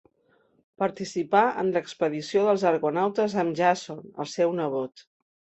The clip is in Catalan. Participà en l'expedició dels argonautes amb Jàson, el seu nebot.